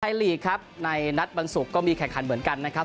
สุโขทัยลีกครับในนัดบรรสุกก็มีแข่งขันเหมือนกันนะครับ